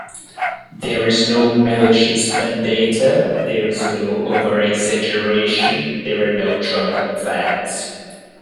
There is no malicious vendetta, there is no over-exaggeration, there are no trumped-up facts.